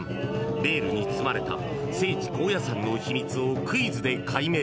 ベールに包まれた聖地・高野山の秘密をクイズで解明。